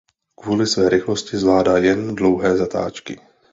Kvůli své rychlosti zvládá jen dlouhé zatáčky.